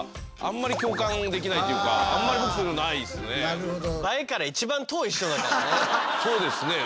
なるほど。